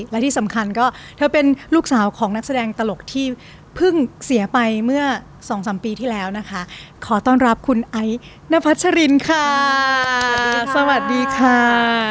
และที่สำคัญก็เธอเป็นลูกสาวของนักแสดงตลกที่เพิ่งเสียไปเมื่อสองสามปีที่แล้วนะคะขอต้อนรับคุณไอ้นพัชรินค่ะสวัสดีค่ะ